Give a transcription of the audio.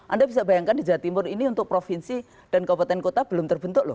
anda bisa bayangkan di jawa timur ini untuk provinsi dan kabupaten kota belum terbentuk loh